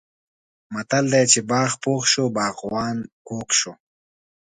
متل دی: چې باغ پوخ شو باغوان کوږ شو.